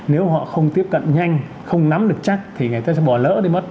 nếu họ không tiếp cận nhanh không nắm được chắc thì người ta sẽ bỏ lỡ đi mất